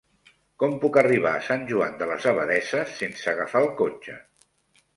Com puc arribar a Sant Joan de les Abadesses sense agafar el cotxe?